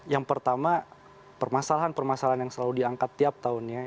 yang pertama permasalahan permasalahan yang selalu diangkat tiap tahunnya